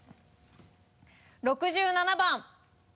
６７番。